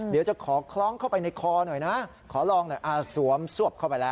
เดี๋ยวจะขอคล้องเข้าไปในคอหน่อยนะขอลองหน่อยสวมซวบเข้าไปแล้ว